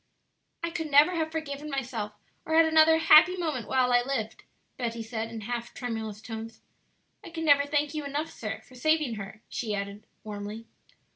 "I could never have forgiven myself or had another happy moment while I lived," Betty said, in half tremulous tones, "I can never thank you enough, sir, for saving her," she added, warmly.